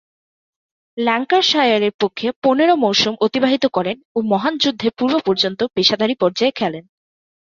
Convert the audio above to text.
ল্যাঙ্কাশায়ারের পক্ষে পনেরো মৌসুম অতিবাহিত করেন ও মহান যুদ্ধের পূর্ব-পর্যন্ত পেশাদারী পর্যায়ে খেলেন।